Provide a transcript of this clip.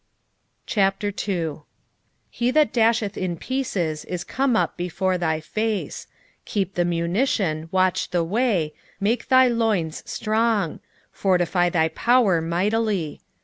2:1 He that dasheth in pieces is come up before thy face: keep the munition, watch the way, make thy loins strong, fortify thy power mightily.